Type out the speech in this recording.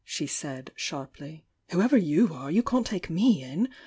she said, sharply "Whoever you are you can't take me in!